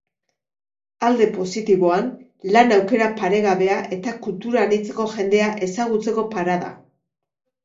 Alde positiboan, lan aukera paregabea eta kultura anitzeko jendea ezagutzeko parada.